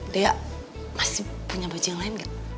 dea masih punya baju yang lain gak